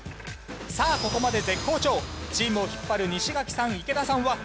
さあここまで絶好調チームを引っ張る西垣さん